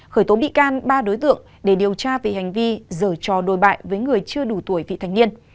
khởi tố bị can ba đối tượng để điều tra về hành vi rửa cho đôi bại với người chưa đủ tuổi vị thành niên